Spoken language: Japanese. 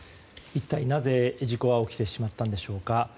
一体なぜ事故は起きてしまったんでしょうか。